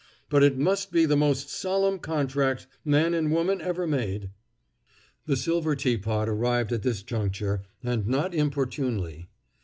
But it must be the most solemn contract man and woman ever made." The silver teapot arrived at this juncture, and not inopportunely.